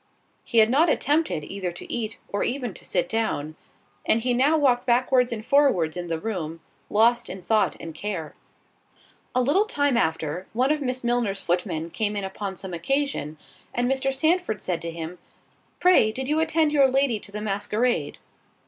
He had not attempted either to eat, or even to sit down; and he now walked backwards and forwards in the room, lost in thought and care. A little time after, one of Miss Milner's footmen came in upon some occasion, and Mr. Sandford said to him, "Pray did you attend your lady to the masquerade?"